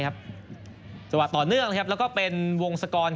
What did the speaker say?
สถาวะต่อเนื่องแล้วก็เป็นวงสะกอน